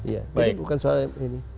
jadi bukan soal ini